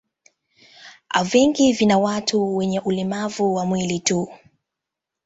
Vingi vina watu wenye ulemavu wa mwili tu.